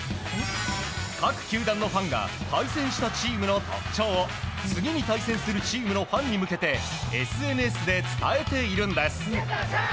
各球団のファンが対戦したチームの特徴を次に対戦するチームのファンに向けてＳＮＳで伝えているんです。